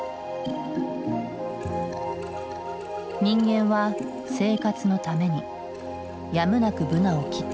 人間は生活のためにやむなくブナを切った。